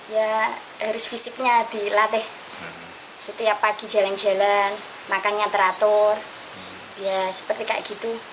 ya harus fisiknya dilatih setiap pagi jalan jalan makannya teratur ya seperti kayak gitu